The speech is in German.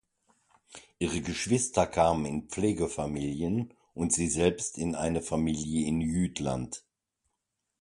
Ihre Geschwister kamen in Pflegefamilien und sie selbst in eine Familie in Jütland.